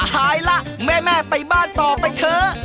ตายล่ะแม่แม่ไปบ้านต่อไปเถอะ